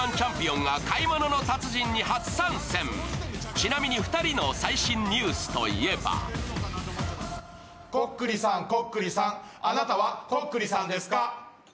ちなみに２人の最新ニュースといえばこっくりさん、こっくりさん、あなたはこっくりさんですか。